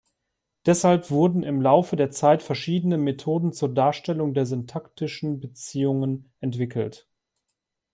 Deshalb wurden im Laufe der Zeit verschiedene Methoden zur Darstellung der syntaktischen Beziehungen entwickelt.